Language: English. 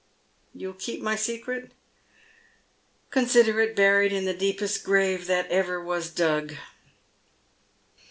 " You'll keep my secret ?"" Consider it buried in the deepest grave that ever was dug."